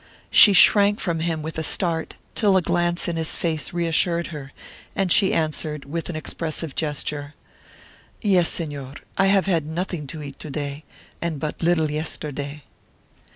She shrank from him with a start till a glance in his face reassured her, and she answered, with an expressive gesture, "Yes, Señor; I have had nothing to eat to day, and but little yesterday."